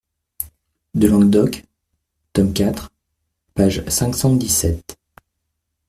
de Languedoc, tome quatre, page cinq cent dix-sept.